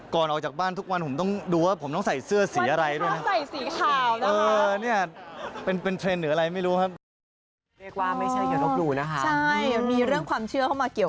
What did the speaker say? ก่อนออกจากบ้านทุกวันผมต้องดูว่าผมต้องใส่เสื้อสีอะไรด้วยนะ